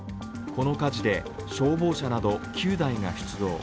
この火事で消防車など９台が出動。